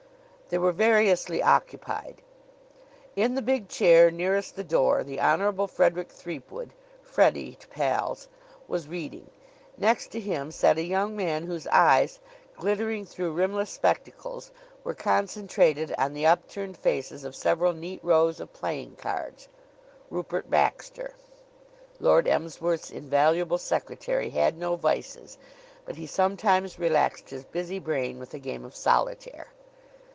They were variously occupied. In the big chair nearest the door the Honorable Frederick Threepwood Freddie to pals was reading. Next to him sat a young man whose eyes, glittering through rimless spectacles, were concentrated on the upturned faces of several neat rows of playing cards Rupert Baxter, Lord Emsworth's invaluable secretary, had no vices, but he sometimes relaxed his busy brain with a game of solitaire.